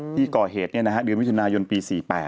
ที่ก่อเหตุเดือนมิถุนายนปี๔๘